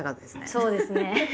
そうですね。